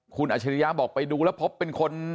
คุณอาชิริยะบอกไปดูแล้วพบเป็นคน